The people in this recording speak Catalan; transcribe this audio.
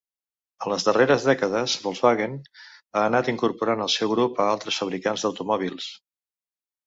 En les darreres dècades Volkswagen ha anat incorporant al seu grup a altres fabricants d'automòbils.